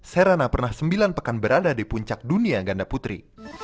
serana pernah sembilan pekan berada di puncak dunia ganda putri